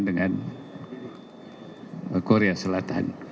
dengan korea selatan